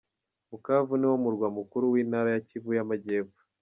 Bukavu niwo murwa mukuru w’Intara ya Kivu y’Amajyepfo.